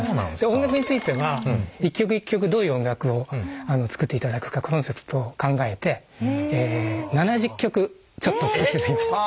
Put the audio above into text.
音楽については一曲一曲どういう音楽を作っていただくかコンセプトを考えて７０曲ちょっと使っていただきました。